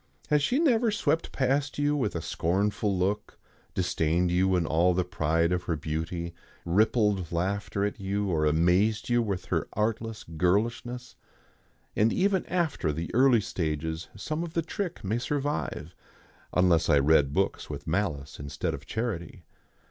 Has she never swept past you with a scornful look, disdained you in all the pride of her beauty, rippled laughter at you, or amazed you with her artless girlishness? And even after the early stages some of the trick may survive, unless I read books with malice instead of charity.